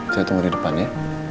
saya tunggu di depan ya